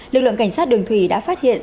lực lượng cảnh sát đường thủy đã phát hiện